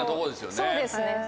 そうですね。